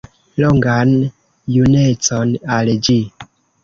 Longan junecon al ĝi!